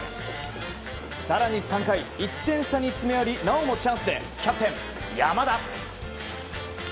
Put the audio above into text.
更に３回、１点差に詰め寄りなおもチャンスでキャプテン、山田。